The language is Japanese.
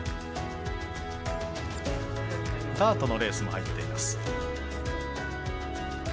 ダートのレースも入っています。